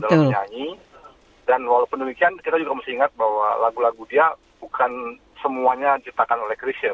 dan walaupun demikian kita juga mesti ingat bahwa lagu lagu dia bukan semuanya ditetapkan oleh kerisnya